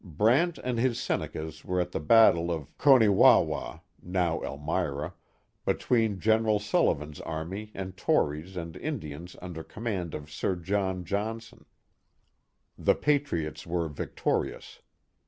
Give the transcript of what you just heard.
Brant and his Senecas were at the battle of Co ne wa wah (now Elmira) between General Sullivan's army and Tories and Indians under command of Sir John Johnson. The patriots were victorious.